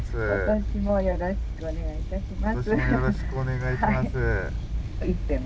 今年もよろしくお願いします。